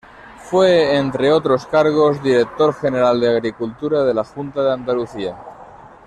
Fue, entre otros cargos, director general de agricultura de la Junta de Andalucía.